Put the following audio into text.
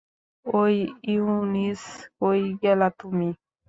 ঐ, ইউনিস্, কই গেলা তুমি?